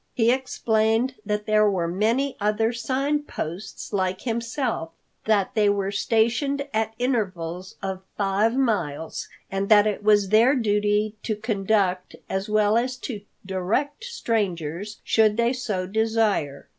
He explained that there were many other Sign Posts like himself, that they were stationed at intervals of five miles, and that it was their duty to conduct as well as to direct strangers, should they so desire.